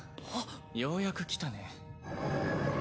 ようやく来たね。